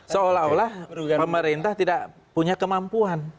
seolah olah pemerintah tidak punya kemampuan